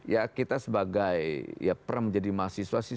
ya kita sebagai peran menjadi mahasiswa sih